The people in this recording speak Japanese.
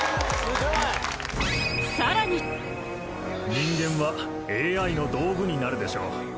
人間はＡＩの道具になるでしょう